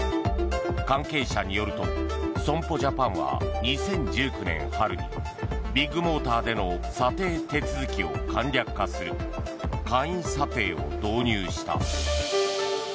関係者によると損保ジャパンは２０１９年春にビッグモーターでの査定手続きを簡略化する簡易査定を導入した。